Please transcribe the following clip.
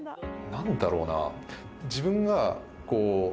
何だろうな？